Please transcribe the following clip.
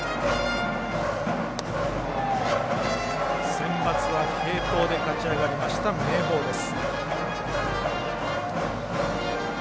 センバツは継投で勝ち上がった明豊です。